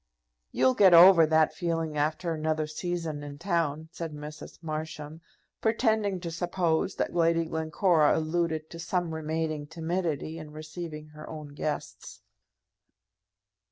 "You'll get over that feeling after another season in town," said Mrs. Marsham, pretending to suppose that Lady Glencora alluded to some remaining timidity in receiving her own guests.